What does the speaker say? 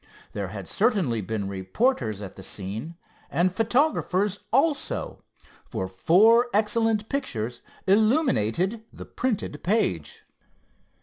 There had certainly been reporters at the scene, and photographers also, for four excellent pictures illuminated the printed page.